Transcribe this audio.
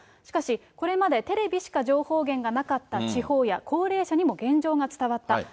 しかし、これまでテレビしか情報源がなかった地方や高齢者にも現状が伝わった。